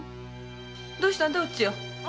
どうしたんだいおちよ？